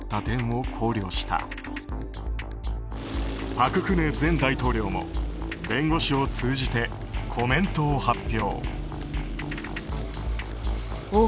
朴槿惠前大統領も弁護士を通じてコメントを発表。